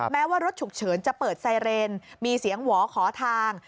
แม้ว่ารถฉุกเฉินจะเปิดไซเรนมีเสียงหวอขอทาง